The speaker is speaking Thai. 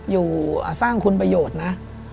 อยู่สร้างคุณประโยชน์นะ